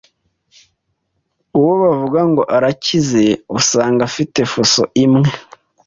uwo bavuga ngo arakize usanga afite Fuso imwe